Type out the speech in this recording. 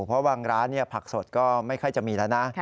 เพราะบางร้านผักสดก็ไม่ค่อยจะมีแล้วนะ